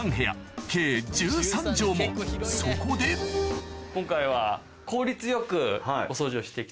そこで今回は。